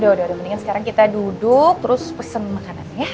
udah udah mendingan sekarang kita duduk terus pesen makanan ya